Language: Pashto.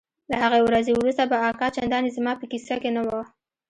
له هغې ورځې وروسته به اکا چندانې زما په کيسه کښې نه و.